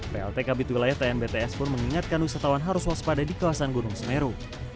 plt kabit wilayah tnbts pun mengingatkan wisatawan harus waspada di kawasan gunung semeru